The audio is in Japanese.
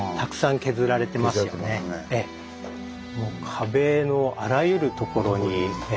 壁のあらゆるところに。